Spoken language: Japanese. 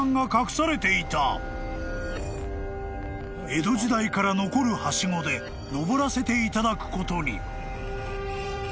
［江戸時代から残るはしごでのぼらせていただくことに］